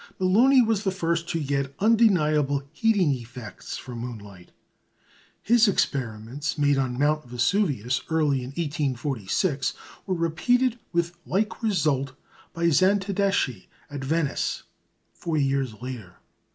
Melloni was the first to get undeniable heating effects from moonlight. His experiments, made on Mount Vesuvius early in 1846, were repeated with like result by Zantedeschi at Venice four years later.